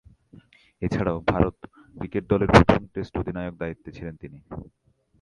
এছাড়াও, ভারত ক্রিকেট দলের প্রথম টেস্ট অধিনায়কের দায়িত্বে ছিলেন তিনি।